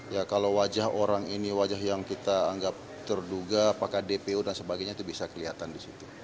ya kalau wajah orang ini wajah yang kita anggap terduga apakah dpo dan sebagainya itu bisa kelihatan di situ